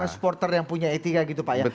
supporter yang punya etika gitu pak ya